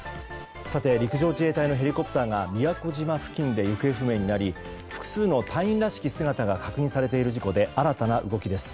陸上自衛隊のヘリコプターが宮古島付近で行方不明になり複数の隊員らしき姿が確認されている事故で新たな動きです。